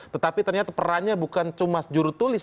tetapi ternyata perannya bukan cuma jurutulis